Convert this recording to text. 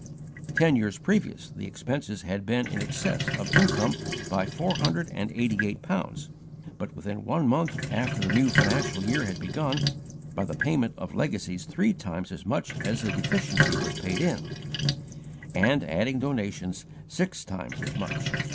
Ten years previous, the expenses had been in excess of the income by four hundred and eighty eight pounds, but, within one month after the new financial year had begun, by the payment of legacies three times as much as the deficiency was paid in; and, adding donations, six times as much.